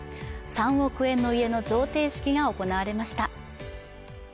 ３億円の家の贈呈式が行われました